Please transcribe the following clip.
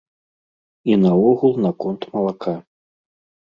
І наогул, наконт малака.